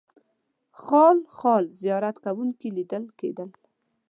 خال خال زیارت کوونکي لیدل کېدل.